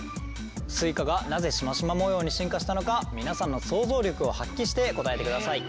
スイカがなぜシマシマ模様に進化したのか皆さんの想像力を発揮して答えてください。